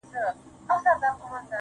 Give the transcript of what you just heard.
o تر مرگه پوري هره شـــپــــــه را روان.